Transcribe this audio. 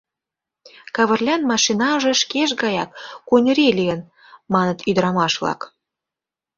— Кавырлян машинаже шкеж гаяк куньырий лийын, — маныт ӱдырамаш-влак.